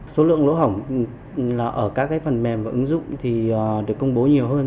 số lượng lỗ hỏng ở các phần mềm và ứng dụng được công bố nhiều hơn